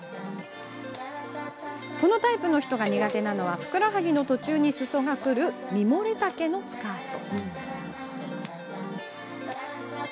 このタイプの人が苦手なのはふくらはぎの途中にすそがくるミモレ丈のスカート。